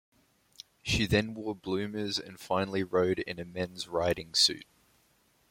She then wore bloomers and finally rode in a men's riding suit.